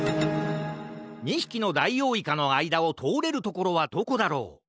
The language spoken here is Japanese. ２ひきのダイオウイカのあいだをとおれるところはどこだろう？